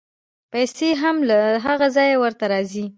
پیسې هم له هغه ځایه ورته راځي.